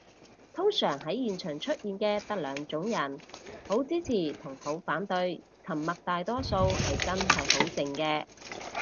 通常喺現場出現嘅得兩種人，好支持同好反對，沉默大多數係真係好靜嘅